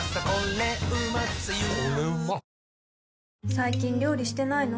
最近料理してないの？